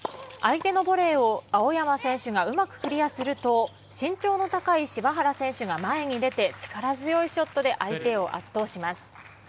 相手のボレーを青山選手がうまくクリアすると、身長の高い柴原選手が前に出て、力強いショットで相手を圧倒します。